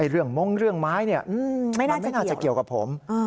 มงค์เรื่องไม้มันไม่น่าจะเกี่ยวกับผม